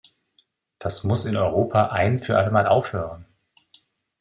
Das muss in Europa ein für alle Mal aufhören.